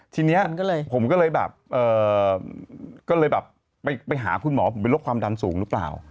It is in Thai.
ทีนี้ผมก็เลยแบบก็เลยแบบไปหาคุณหมอผมเป็นโรคความดันสูงหรือเปล่า